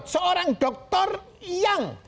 seorang dokter yang